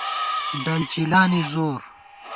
ڈل چِلا نی زور